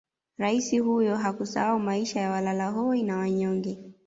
Raisi huyo hakusahau maisha ya walalahoi na wanyonge